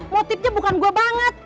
motifnya bukan gue banget